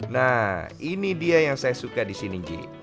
nah ini dia yang saya suka di sini ji